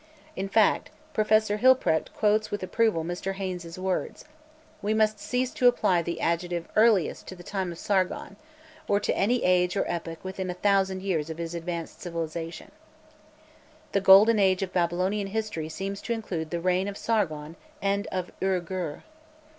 In fact, Professor Hilprecht quotes with approval Mr. Haynes's words: "We must cease to apply the adjective 'earliest' to the time of Sargon, or to any age or epoch within a thousand years of his advanced civilization." "The golden age of Babylonian history seems to include the reign of Sargon and of Ur Gur."